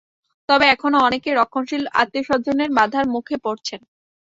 তবে এখনো অনেকে রক্ষণশীল আত্মীয়স্বজনের বাধার মুখে পড়ছেন।